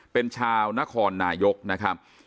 เป็นชาวนครนายกนะครับ